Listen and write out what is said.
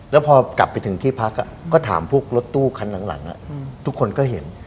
แล้วพอกลับไปถึงที่พักก็ถามพวกรถตู้คันหลังทุกคนก็เห็น